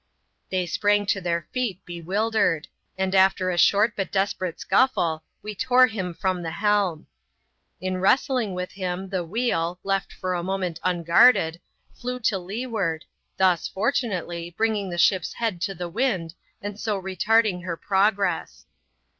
They spranp^ to their feet bewildered ; and after a short, but desperate scuffle, we tore him from the helm. In wrestling with bim, the wheel — left for a moment unguarded — flew to leeward, thus, fortunately, bringing the ship's head to the wind, and so retarding her progress.